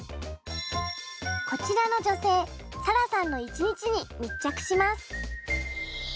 こちらの女性サラさんの一日に密着します。